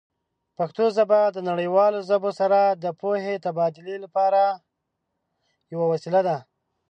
پښتو ژبه د نړیوالو ژبو سره د پوهې تبادله لپاره یوه وسیله ده.